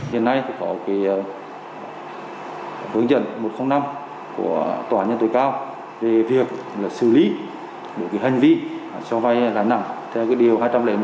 hiện nay có hướng dẫn một trăm linh năm của tòa nhân tội cao về việc xử lý hành vi cho vay lãnh nặng theo điều hai trăm linh một của luân sự